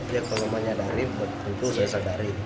ya kalau menyadari tentu saya sadari